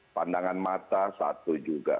pandangan mata satu juga